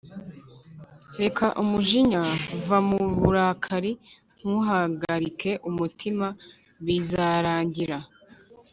Reka umujinya va mu burakari ntuhagarike umutima bizarangira